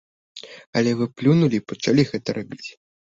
Але вы плюнулі і пачалі гэта рабіць.